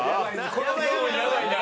このゾーンやばいな。